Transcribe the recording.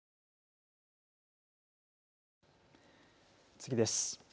次です。